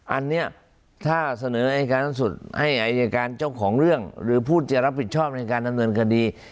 อันนี้ถ้าเสนออายการสูงสุดให้อายการเจ้าของเรื่องหรือผู้จะรับผิดชอบในการดำเนินคดี